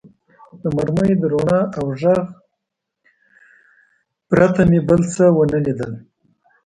د مرمۍ د رڼا او غږ پرته مې بل څه و نه لیدل.